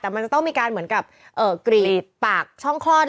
แต่มันจะต้องมีการเหมือนกับกรีดปากช่องคลอด